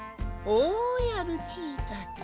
おやルチータくん